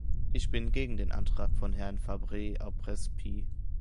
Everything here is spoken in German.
Ich bin gegen den Antrag von Herrn Fabre-Aubrespy.